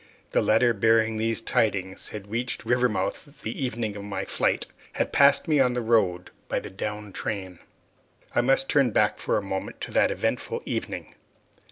The letter bearing these tidings had reached Rivermouth the evening of my flight had passed me on the road by the down train. I must turn back for a moment to that eventful evening.